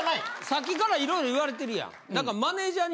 さっきからいろいろ言われてるやん。